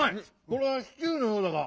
これは「シチュー」のようだが。